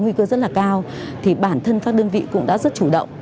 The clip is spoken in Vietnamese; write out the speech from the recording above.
nguy cơ rất là cao thì bản thân các đơn vị cũng đã rất chủ động